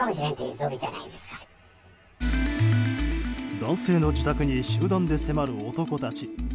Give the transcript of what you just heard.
男性の自宅に集団で迫る男たち。